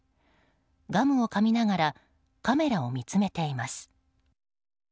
ガムをかみながらカメラを見つめています。